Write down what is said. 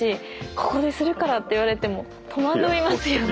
ここでするからって言われても戸惑いますよね。